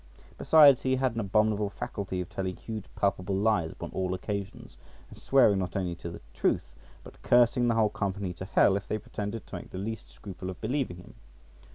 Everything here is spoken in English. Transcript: Besides, he had an abominable faculty of telling huge palpable lies upon all occasions, and swearing not only to the truth, but cursing the whole company to hell if they pretended to make the least scruple of believing him.